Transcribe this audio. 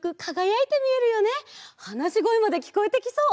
はなしごえまできこえてきそう！